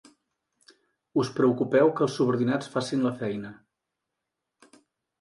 Us preocupeu que els subordinats facin la feina.